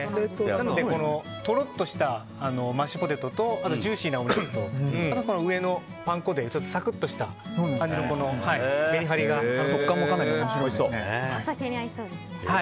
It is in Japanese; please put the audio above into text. なので、とろっとしたマッシュポテトとジューシーなお肉と上のパン粉でサクッとした感じのメリハリと食感もかなりおもしろいですね。